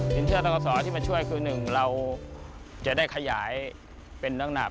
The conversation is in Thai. สินเชื้อตรงสอที่มาช่วยคือหนึ่งเราจะได้ขยายเป็นหนักหนัก